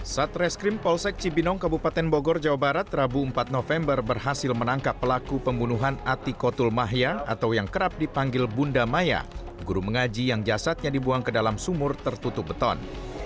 satreskrim polsek cibinong kabupaten bogor jawa barat rabu empat november berhasil menangkap pelaku pembunuhan ati kotul mahya atau yang kerap dipanggil bunda maya guru mengaji yang jasadnya dibuang ke dalam sumur tertutup beton